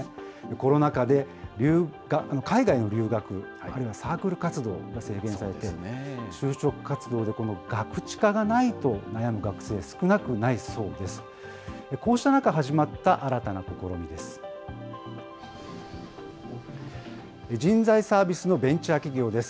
コロナ禍で海外への留学、あるいはサークル活動が制限されて、就職活動で、このガクチカがないと悩む学生、少なくないそうです。